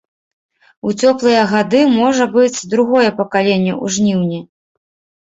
У цёплыя гады можа быць другое пакаленне ў жніўні.